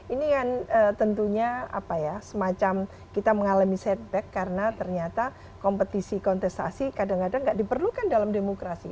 ini kan tentunya apa ya semacam kita mengalami setback karena ternyata kompetisi kontestasi kadang kadang tidak diperlukan dalam demokrasi